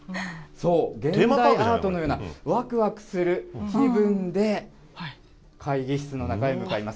そう、現代アートのようなわくわくする気分で、会議室の中へ向かいます。